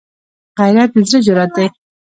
غیرت د زړه جرأت دی